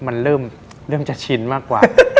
มันเริ่มจะชินมากกว่า